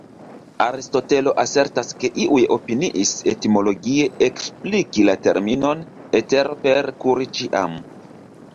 Aristotelo asertas ke iuj opiniis etimologie ekspliki la terminon “etero” per "kuri ĉiam”.